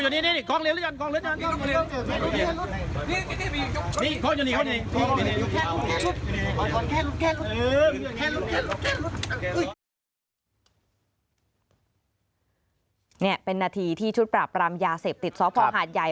นี่เป็นนาทีที่ชุดปราบรามยาเสพติดสพหาดใหญ่